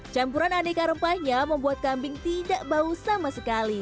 campuran aneka rempahnya membuat kambing tidak bau sama sekali